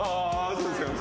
そうですか。